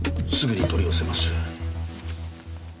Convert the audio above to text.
すぐに取り寄せます。